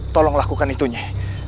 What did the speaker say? tolong lakukan itu nyi